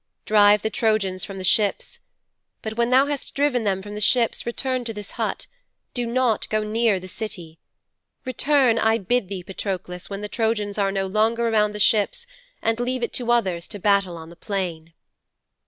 Drive the Trojans from the ships. But when thou hast driven them from the ships, return to this hut. Do not go near the City. Return, I bid thee, Patroklos, when the Trojans are no longer around the ships, and leave it to others to battle on the plain."'